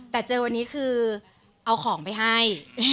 แต่เจอวันนี้คือเอาของไปให้